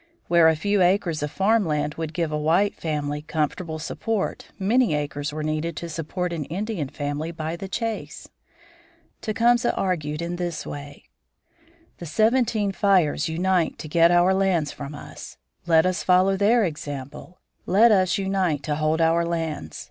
Where a few acres of farm land would give a white family comfortable support, many acres were needed to support an Indian family by the chase. Tecumseh argued in this way: The Seventeen Fires unite to get our lands from us. Let us follow their example. Let us unite to hold our lands.